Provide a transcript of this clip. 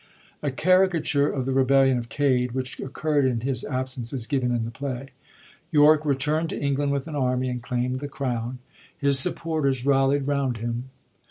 A cari cature of the rebellion of Cade, which occurrd in his absence, is g^ven in the play. York returnd to England with an army, and claimd the crown. His supporters 84 HENRY VI., PART 3 rallied round him.